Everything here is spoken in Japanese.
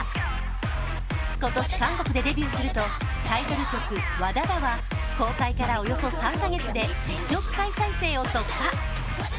今年、韓国でデビューすると、タイトル曲「ＷＡＤＡＤＡ」は公開からおよそ３カ月で１億回再生を突破。